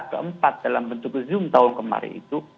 keempat dalam bentuk zoom tahun kemarin itu